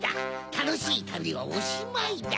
たのしいたびはおしまいだ。